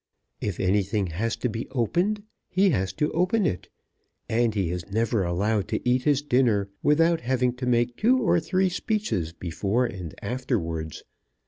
If anything has to be opened he has to open it; and he is never allowed to eat his dinner without having to make two or three speeches before and afterwards.